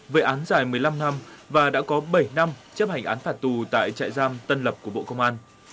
về án dài một mươi năm năm và đã có bảy năm chấp hành án phạt tù tại trại giam tân lập của bộ công an